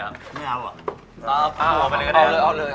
เอาเลย